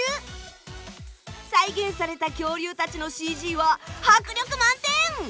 再現された恐竜たちのＣＧは迫力満点！